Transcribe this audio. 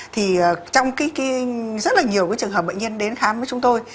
thì trong rất là nhiều cái trường hợp bệnh nhân đến khám với chúng tôi